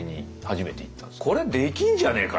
「これできんじゃねえか」